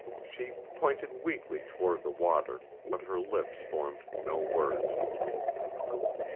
She pointed weakly toward the water, but her lips formed no words.